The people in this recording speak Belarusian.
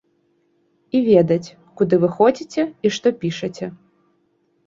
І ведаць, куды вы ходзіце і што пішаце.